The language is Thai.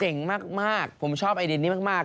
เก่งมากผมชอบไอดินนี้มาก